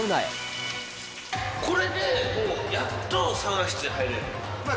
これでやっとサウナ室へ入れまあ